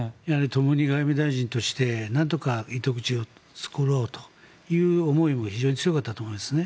ともに外務大臣としてなんとか糸口を作ろうという思いも非常に強かったと思いますね。